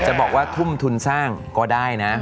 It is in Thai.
จะบอกว่าทุ่มทุนสร้างก็ได้นะ